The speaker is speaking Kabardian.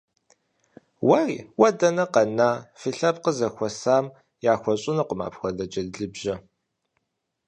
Уэри? Уэ дэнэ къэна, фи лъэпкъыр зэхуэсам яхуэщӀынукъым апхуэдэ джэдлыбжьэ.